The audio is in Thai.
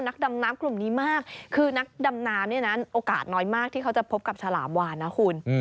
นักดำน้ำกลุ่มนี้มากคือนักดำน้ำเนี่ยนะโอกาสน้อยมากที่เขาจะพบกับฉลามวานนะคุณ